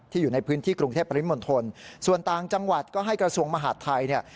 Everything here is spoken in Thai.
อยู่ในพื้นที่กรุงเทพปริมณฑลส่วนต่างจังหวัดก็ให้กระทรวงมหาดไทยเนี่ย